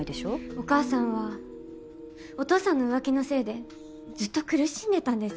お母さんはお父さんの浮気のせいでずっと苦しんでたんです。